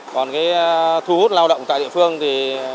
còn cái thu hút lao động tại địa phương thì